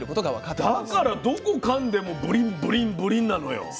だからどこかんでもブリンブリンブリンなのよ。